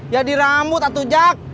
ya di rambut atau jak